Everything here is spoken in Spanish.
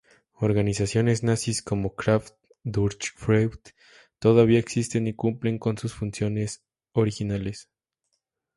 Organizaciones nazis como ""Kraft durch Freude"" todavía existen y cumplen con sus funciones originales.